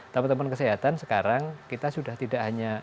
teman teman kesehatan sekarang kita sudah tidak hanya